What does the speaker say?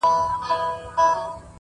هغه به چيري اوسي باران اوري، ژلۍ اوري،